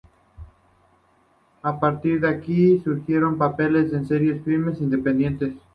A partir de aquí surgieron papel en series y filmes independientes.